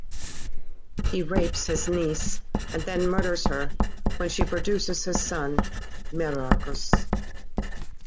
He rapes his niece and then murders her when she produces his son, Meraugis.